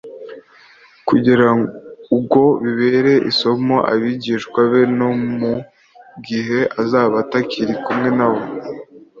kugira ugo bibere isomo abigishwa be no mu gihe azaba atakiri kumwe na bo.